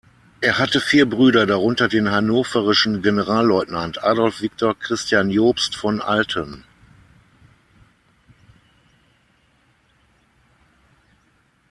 Er hatte vier Brüder, darunter den hannoverischen Generalleutnant Adolf Viktor Christian Jobst von Alten.